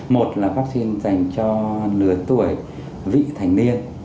một là vaccine dành cho lứa tuổi vị thành niên